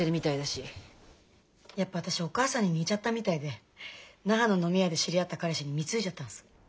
やっぱ私お母さんに似ちゃったみたいで那覇の飲み屋で知り合った彼氏に貢いじゃったんす。